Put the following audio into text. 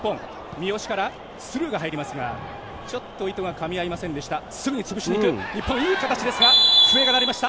三好からスルーが入りますがちょっと意図がかみ合いませんでした。